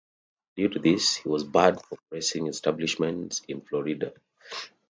Due to this, he was barred from racing establishments in Florida.